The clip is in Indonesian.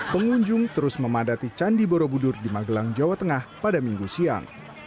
pengunjung terus memadati candi borobudur di magelang jawa tengah pada minggu siang